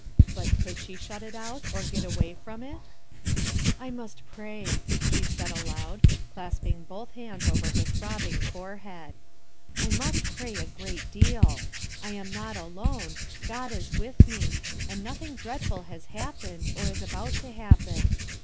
But could she shut it out, or get away from it 1 "1 must pray," she said aloud, clasping both hands over her throbbing forehead. "I must pray a great deal. I am not alone ; God is with me; and nothing dreadful has happened, or is about to happen.